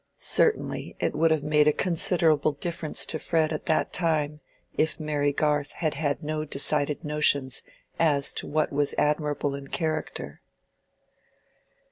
Certainly it would have made a considerable difference to Fred at that time if Mary Garth had had no decided notions as to what was admirable in character.